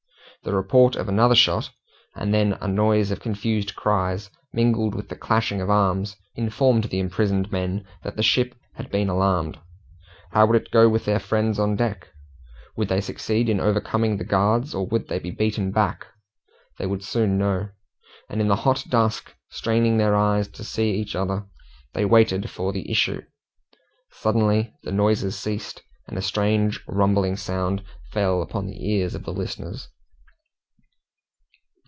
The report of another shot, and then a noise of confused cries, mingled with the clashing of arms, informed the imprisoned men that the ship had been alarmed. How would it go with their friends on deck? Would they succeed in overcoming the guards, or would they be beaten back? They would soon know; and in the hot dusk, straining their eyes to see each other, they waited for the issue Suddenly the noises ceased, and a strange rumbling sound fell upon the ears of the listeners.